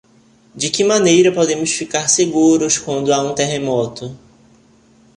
De que maneira podemos ficar seguros quando há um terremoto?